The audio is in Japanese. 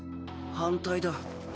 反対だ。